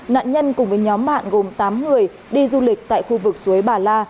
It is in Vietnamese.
nạn nhân cùng với nhóm bạn gồm tám người đi du lịch tại khu vực suối bà la